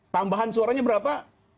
tambahan suaranya berapa